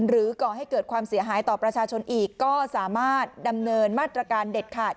ก่อให้เกิดความเสียหายต่อประชาชนอีกก็สามารถดำเนินมาตรการเด็ดขาด